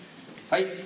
はい。